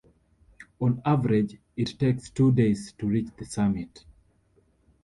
On average, it takes two days to reach the summit.